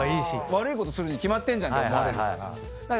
悪いことするに決まってんじゃんって思われるから。